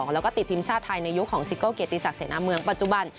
แล้วก็ติดทีมชาติไทยในยุคของซิโก้เกียรติศักดิเสนาเมืองปัจจุบัน